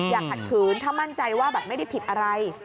อย่าขัดขืนถ้ามั่นใจว่าแบบไม่ได้ผิดอะไร